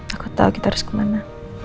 aku tahu kita harus kemana